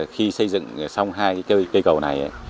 khi xây dựng xong hai cây cầu này